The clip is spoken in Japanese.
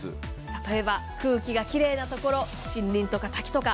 例えば空気がきれいな所、森林とか滝とか